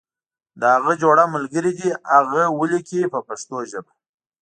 د هغه جوړه ملګری دې هغه ولیکي په پښتو ژبه.